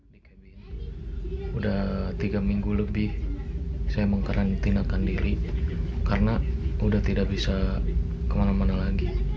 saya sudah tiga minggu lebih saya mengkarantinakan diri karena sudah tidak bisa kemana mana lagi